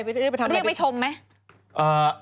เรียกไปชมไหม